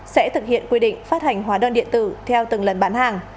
sẽ thực hiện quy định phát hành hóa đơn điện tử theo từng lần bán hàng